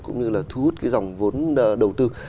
cũng như là thu hút cái dòng vốn đầu tư